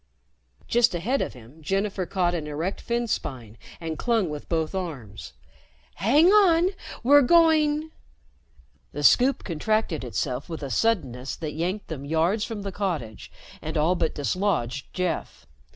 Just ahead of him, Jennifer caught an erect fin spine and clung with both arms. "Hang on! We're going " The Scoop contracted itself with a suddenness that yanked them yards from the cottage and all but dislodged Jeff.